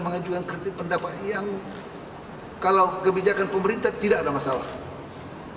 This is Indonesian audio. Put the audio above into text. mengajukan kritik pendapat yang kalau kebijakan pemerintah tidak ada masalah